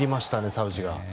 サウジが。